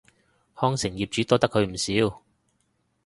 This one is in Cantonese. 康城業主多得佢唔少